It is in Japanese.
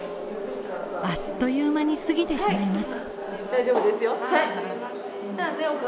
あっという間に過ぎてしまいます。